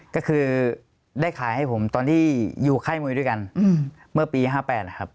ก็คือได้ขายให้ผมตอนที่อยู่ค่ายมวยด้วยกันเมื่อปี๕๘นะครับ